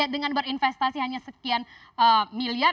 dengan berinvestasi hanya sekian miliar